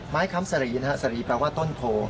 ไม้คำสรีนะครับสรีแปลว่าต้นโภ